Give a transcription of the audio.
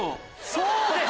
そうです！